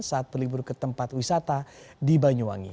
saat berlibur ke tempat wisata di banyuwangi